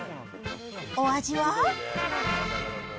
お味は？